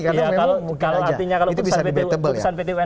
kalau artinya keputusan pt un